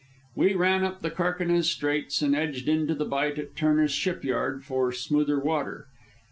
We ran up the Carquinez Straits and edged into the bight at Turner's Shipyard for smoother water.